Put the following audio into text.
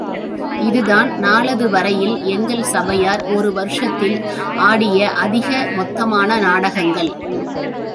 இதுதான் நாளது வரையில் எங்கள் சபையார் ஒரு வருஷத்தில் ஆடிய அதிக மொத்தமான நாடகங்கள்.